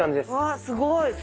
すごい！